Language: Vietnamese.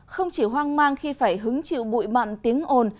không chỉ hoang mang khi phải hứng chịu bụi mặn tiếng ồn